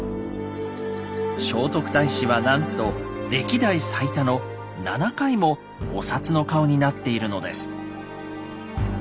聖徳太子はなんと歴代最多の７回もお札の顔になっているのです。